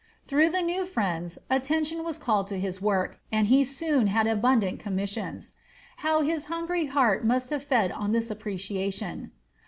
Through the new friends, attention was called to his work, and he soon had abundant commissions. How his hungry heart must have fed on this appreciation!